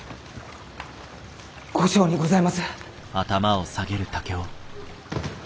後生にございます。